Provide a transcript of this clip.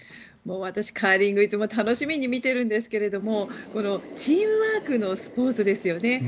カーリングいつも楽しみに見ているんですけどチームワークのスポーツですよね。